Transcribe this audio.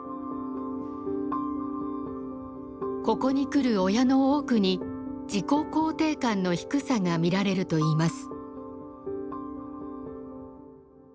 ここに来る親の多くに自己肯定感の低さが見られるといいます。